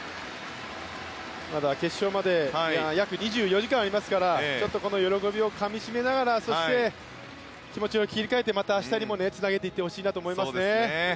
まだ決勝まで約２４時間ありますからちょっとこの喜びをかみ締めながらそして、気持ちを切り替えてまた明日にもつなげていってもらいたいなと思いますね。